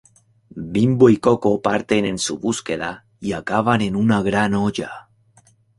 Bimbo y Koko parten en su búsqueda y acaban en una gran olla.